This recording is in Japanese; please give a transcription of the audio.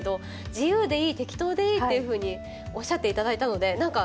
自由でいい適当でいいっていうふうにおっしゃって頂いたのでなんか